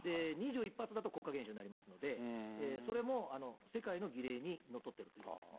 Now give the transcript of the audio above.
２１発だと国家元首になりますので、それも世界の儀礼にのっとってるということです。